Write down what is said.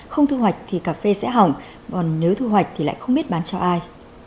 không thu hoạch thì cà phê sẽ hỏng còn nếu thu hoạch thì lại không biết bán cho ai